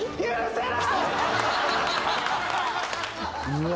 うわ。